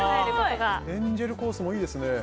エンジェルコースもいいですね。